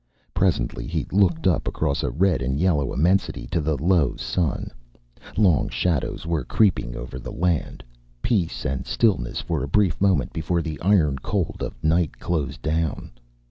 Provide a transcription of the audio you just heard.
Presently he looked up, across a red and yellow immensity to the low sun. Long shadows were creeping over the land, peace and stillness for a brief moment before the iron cold of night closed down.